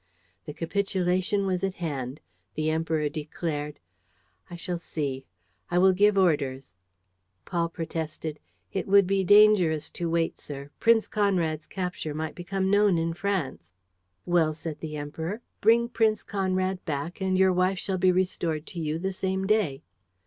The capitulation was at hand. The Emperor declared: "I shall see. ... I will give orders. ..." Paul protested: "It would be dangerous to wait, sir. Prince Conrad's capture might become known in France ..." "Well," said the Emperor, "bring Prince Conrad back and your wife shall be restored to you the same day."